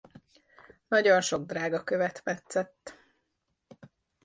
Nagyon sok drágakövet metszett.